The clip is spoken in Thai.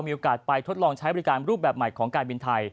มีโอกาสไปทดลองใช้บริการรูปแบบใหม่ของการบินไทย